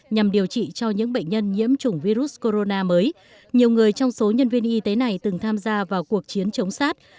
nhằm điều trị cho những bệnh nhân nhiễm chủng virus corona mới nhiều người trong số nhân viên y tế này từng tham gia vào cuộc chiến chống sát